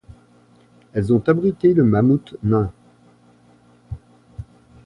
Elles ont abrité le Mammouth nain.